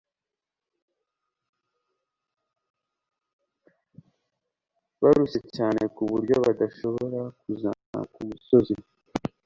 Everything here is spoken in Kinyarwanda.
Bararushye cyane ku buryo badashobora kuzamuka umusozi.